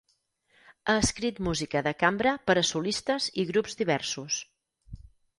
Ha escrit música de cambra per a solistes i grups diversos.